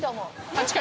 ８回？